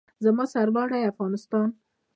زما سرلوړی افغانستان.